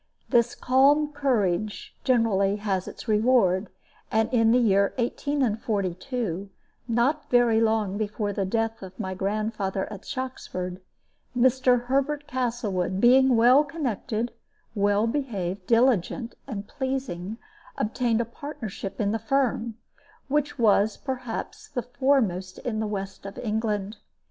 This calm courage generally has its reward, and in the year 1842, not very long before the death of my grandfather at Shoxford, Mr. Herbert Castlewood, being well connected, well behaved, diligent, and pleasing, obtained a partnership in the firm, which was, perhaps, the foremost in the west of England.